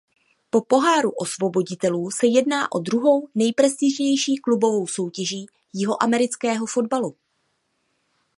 Po Poháru osvoboditelů se jedná o druhou nejprestižnější klubovou soutěží jihoamerického fotbalu.